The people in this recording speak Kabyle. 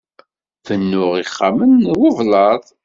Bennuɣ ixxamen n weblaḍ.